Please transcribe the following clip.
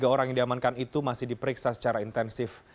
tiga orang yang diamankan itu masih diperiksa secara intensif